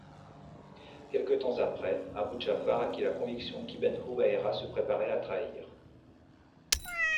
Quelque temps après, Abû Ja`far acquit la conviction qu'Ibn Hubayra se préparait à trahir.